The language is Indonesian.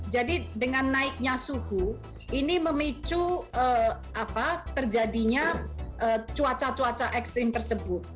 jadi dengan naiknya suhu ini memicu apa terjadinya cuaca cuaca ekstrim tersebut